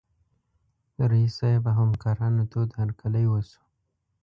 د رییس صیب او همکارانو تود هرکلی وشو.